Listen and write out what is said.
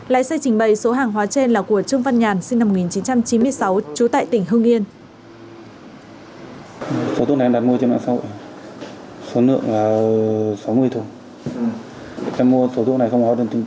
lái xe trình bày số hàng hóa trên là của trương văn nhàn sinh năm một nghìn chín trăm chín mươi sáu trú tại tỉnh hưng yên